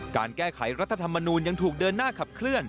การแก้ไขรัฐธรรมนูลยังถูกเดินหน้าขับเคลื่อน